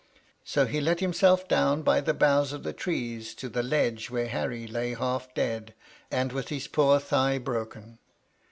. So he let himself down by the boughs of the trees to the ledge where Harry lay half dead, and with his poor thigh broken.